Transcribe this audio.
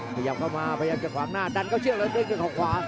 พยายามเข้ามาพยายามกันขวางหน้าดันเข้าเชื่อแล้วเด็กด้วยข้อขวา